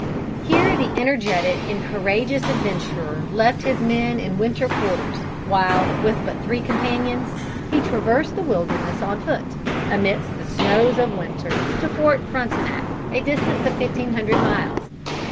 Here the energetic and courageous adventurer left his men in winter quarters, while, with but three companions, he traversed the wilderness on foot, amidst the snows of winter, to Fort Frontenac, a distance of fifteen hundred miles.